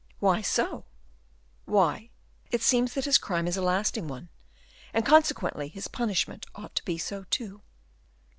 '" "Why so?" "Why, it seems that his crime is a lasting one; and, consequently, his punishment ought to be so, too."